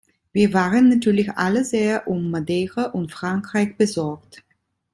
Wir waren natürlich alle sehr um Madeira und Frankreich besorgt.